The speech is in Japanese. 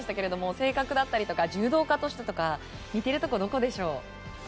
性格だったりとか柔道家としてとか似てるところどうでしょう？